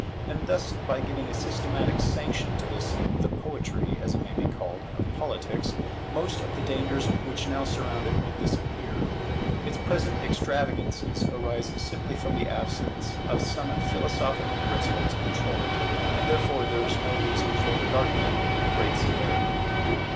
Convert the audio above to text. And thus by giving a systematic sanction to this the Poetry, as it may be called, of Politics, most of the dangers which now surround it will disappear. Its present extravagances arise simply from the absence of some philosophical principle to control it, and therefore there is no reason for regarding them with great severity.